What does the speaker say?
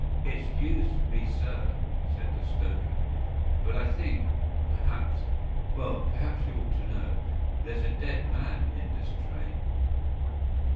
"Excuse me, sir," said the stoker, "but I think, perhaps—well, perhaps you ought to know—there's a dead man in this train."